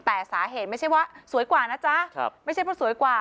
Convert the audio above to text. แต่สาเหตุไม่ใช่ว่าสวยกว่านะจ๊ะไม่ใช่เพราะสวยกว่า